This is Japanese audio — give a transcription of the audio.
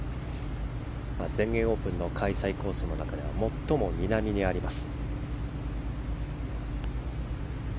全英オープンの開催コースの中では最も南にあります。